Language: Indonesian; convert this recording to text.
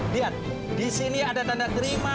lihat disini ada tanda terima